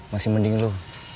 masih mending lo